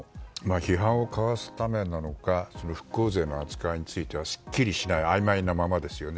批判をかわすためなのか復興税の扱いについてはあいまいなままですよね。